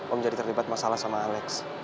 om jadi terlibat masalah sama alex